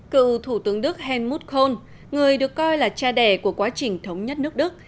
cựu thủ tướng đức helmut kohl người được coi là cha đẻ của quá trình thống nhất nước đức